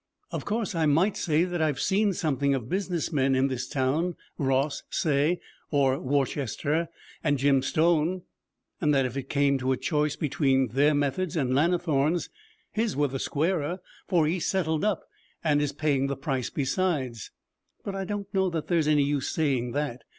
'Of course I might say that I've seen something of business men in this town, Ross, say, and Worcester, and Jim Stone, and that if it came to a choice between their methods and Lannithorne's, his were the squarer, for he settled up, and is paying the price besides. But I don't know that there's any use saying that.